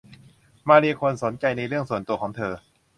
มาเรียควรสนใจเรื่องส่วนตัวของเธอ